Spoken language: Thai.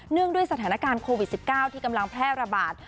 งด้วยสถานการณ์โควิด๑๙ที่กำลังแพร่ระบาด